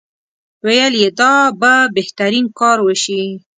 ویل یې دا به بهترین کار وشي.